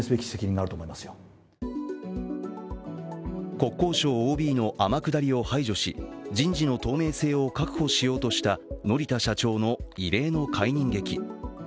国交省ＯＢの天下りを排除し、人事の透明性を確保しようとした乗田社長の異例の解任劇。